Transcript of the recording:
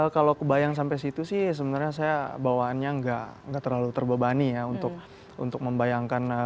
kalau kebayang sampai situ sih sebenarnya saya bawaannya nggak terlalu terbebani ya untuk membayangkan